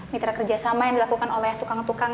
mitra kerjasama yang dilakukan oleh tukang tukang